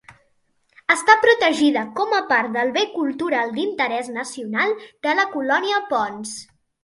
Està protegida com a part del bé cultural d'interès nacional de la Colònia Pons.